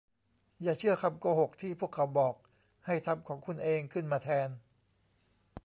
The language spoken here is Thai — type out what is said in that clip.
อย่าเชื่อคำโกหกที่พวกเขาบอก ให้ทำของคุณเองขึ้นมาแทน